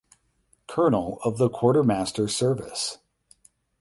Colonel of the quartermaster service.